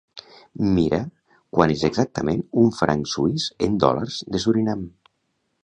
Mirar quant és exactament un franc suís en dòlars de Surinam.